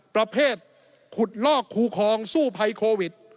ประเภทขุดลอกคูคลองสู้ภัยโควิด